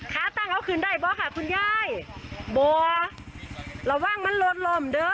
ค้าตั้งเอาคืนได้บ่ค่ะคุณยายบ่อระวังมันหลดลมเด้อ